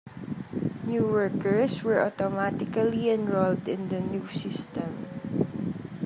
New workers were automatically enrolled in the new system.